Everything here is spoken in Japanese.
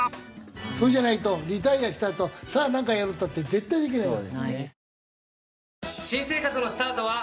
それじゃないとリタイアしたあとさあなんかやろうったって絶対できないから。